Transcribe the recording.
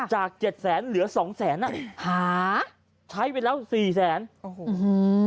จากเจ็ดแสนเหลือสองแสนอ่ะหาใช้ไปแล้วสี่แสนโอ้โห